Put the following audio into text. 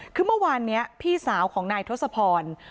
คือเมื่อวานนี้พี่สาวของนายทศพร